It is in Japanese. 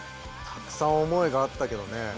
たくさん思いがあったけどね。